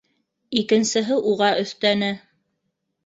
Икенсеһе уға өҫтәне: